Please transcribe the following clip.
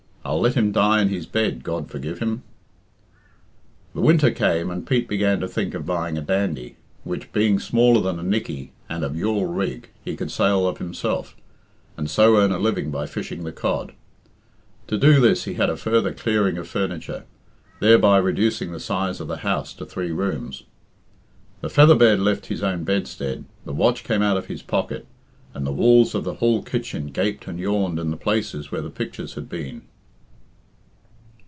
"I'll let him die in his bed, God forgive him." The winter came, and Pete began to think of buying a Dandie, which being smaller than a Nickey, and of yawl rig, he could sail of himself, and so earn a living by fishing the cod. To do this he had a further clearing of furniture, thereby reducing the size of the house to three rooms. The featherbed left his own bedstead, the watch came out of his pocket, and the walls of the hall kitchen gaped and yawned in the places where the pictures had been.